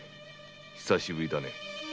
久しぶりだね。